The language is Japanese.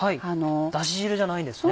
だし汁じゃないんですね？